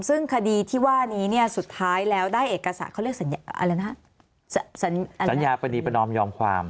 ซึ่งคดีที่ว่านี้เนี่ยสุดท้ายแล้วได้เอกสารเขาเรียกอะไรนะสัญญาปณีประนอมยอมความ